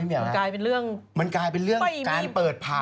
มันกลายเป็นเรื่องการเปิดพรรภ์